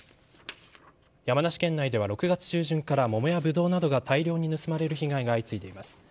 山梨県内では６月中旬から桃やブドウなどが大量に盗まれる被害が相次いでいます。